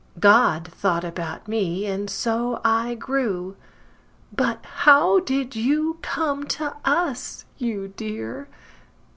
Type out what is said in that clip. God thought about me, and so I grew. But how did you come to us, you dear?